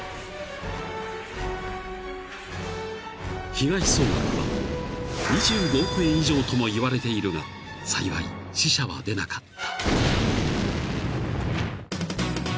［被害総額は２５億円以上ともいわれているが幸い死者は出なかった］